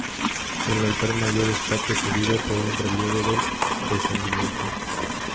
El altar mayor está presidido por un relieve del "Descendimiento".